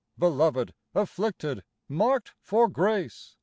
Beloved, afflicted, marked for grace.